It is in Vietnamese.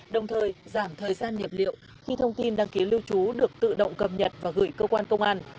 đồng thời giảm thời gian niệm liệu khi thông tin đăng ký lưu trú được tự động cập nhật và gửi cơ quan công an